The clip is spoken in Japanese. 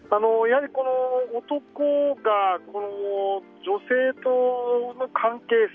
男と女性との関係性。